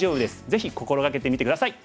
ぜひ心掛けてみて下さい。